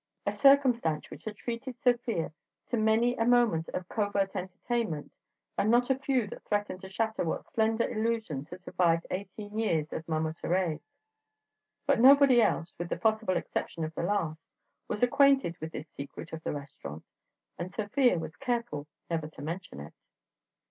A circumstance which had treated Sofia to many a moment of covert entertainment and not a few that threatened to shatter what slender illusions had survived eighteen years of Mama Thérèse. But nobody else (with the possible exception of the last) was acquainted with this secret of the restaurant, and Sofia was careful never to mention it.